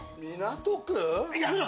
やめろ！